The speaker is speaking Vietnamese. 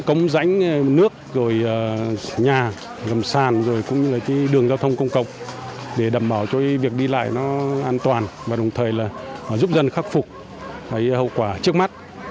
công dãnh nước nhà gầm sàn đường giao thông công cộng để đảm bảo cho việc đi lại an toàn và đồng thời giúp dân khắc phục hậu quả trước mắt